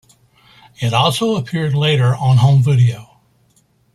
It also appeared later on home video.